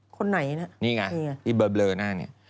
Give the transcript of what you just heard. คนไหนน่ะนี่ไงไอ้เบอร์เบลอหน้านี่